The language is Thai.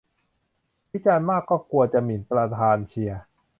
วิจารณ์มากก็กลัวจะหมิ่นประธานเชียร์